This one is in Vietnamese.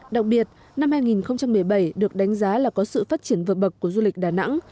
đặc biệt năm hai nghìn một mươi bảy được đánh giá là có sự phát triển vượt bậc của du lịch đà nẵng